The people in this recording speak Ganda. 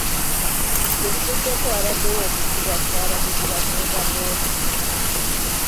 Gye buvuddeko wabaddewo okuttibwa kw'abavuzi ba boodabooda.